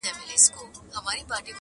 ظالمه یاره سلامي ولاړه ومه!